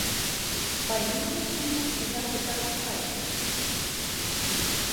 Павінен жа нехта за гэта адказваць!